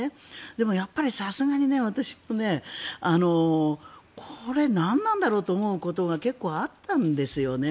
でも、さすがに私もねこれ、何なんだろうと思うことが結構あったんですよね。